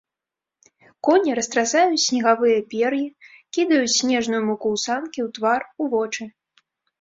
Коні растрасаюць снегавыя пер'і, кідаюць снежную муку ў санкі, у твар, у вочы.